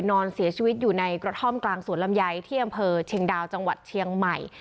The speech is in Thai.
นอนเสียชีวิตอยู่ในกระท่อมกลางสวนลำไยที่อำเภอเชียงดาวจังหวัดเชียงใหม่